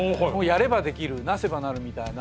「やればできるなせばなる」みたいな。